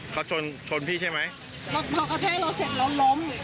เขาชนชนพี่ใช่ไหมแล้วพอกระแทกเราเสร็จเราล้ม